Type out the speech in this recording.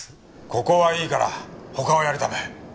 ここはいいから他をやりたまえ。